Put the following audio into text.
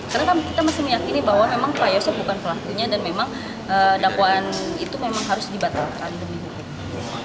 karena kami masih meyakini bahwa memang pak yosef bukan pelakunya dan memang dakwaan itu memang harus dibatalkan